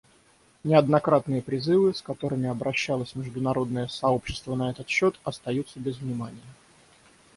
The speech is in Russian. Неоднократные призывы, с которыми обращалось международное сообщество на этот счет, остаются без внимания.